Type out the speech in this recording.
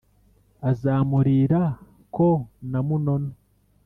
azamurira ko na munono